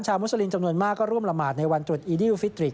มุสลิมจำนวนมากก็ร่วมละหมาดในวันตรวจอีดิวฟิตริก